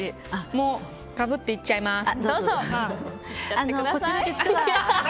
もう、がぶっていっちゃいます。